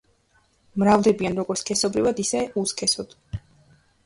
მრავლდებიან როგორც სქესობრივად, ისე უსქესოდ.